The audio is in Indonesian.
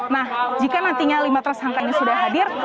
nah jika nantinya lima tersangka ini sudah hadir